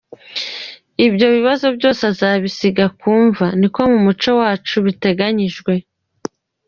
Ibyo bibazo byose azabisiga ku mva, niko mu muco wacu biteganyijwe.